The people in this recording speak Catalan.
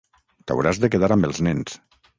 T’hauràs de quedar amb els nens.